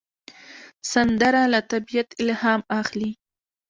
سندره له طبیعت الهام اخلي